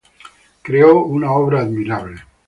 Creó una obra admirable.